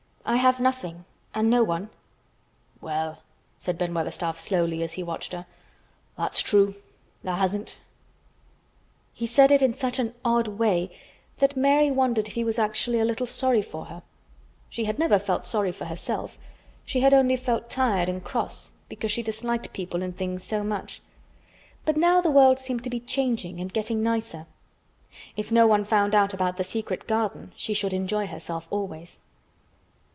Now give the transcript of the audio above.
I have nothing—and no one." "Well," said Ben Weatherstaff slowly, as he watched her, "that's true. Tha' hasn't." He said it in such an odd way that Mary wondered if he was actually a little sorry for her. She had never felt sorry for herself; she had only felt tired and cross, because she disliked people and things so much. But now the world seemed to be changing and getting nicer. If no one found out about the secret garden, she should enjoy herself always.